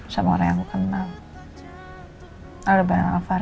sama orang yang kenal